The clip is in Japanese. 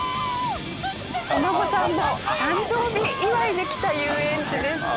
お孫さんの誕生日祝いで来た遊園地でした。